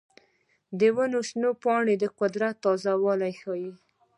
د ونو شنه پاڼې د قدرت تازه والی ښيي.